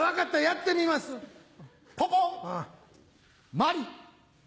マリ。